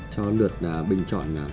cho lượt bình chọn